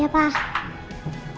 ya bos siap